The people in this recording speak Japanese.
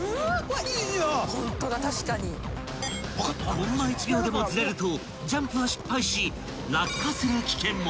［コンマ１秒でもずれるとジャンプは失敗し落下する危険も］